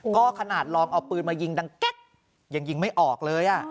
ก็ขนาดลองเอาปืนมายิงดังแก๊กยังยิงไม่ออกเลย